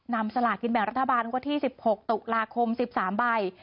นำสลากกินแมวรัฐบาลว่าที่๑๖ตุกราคม๑๓ใบ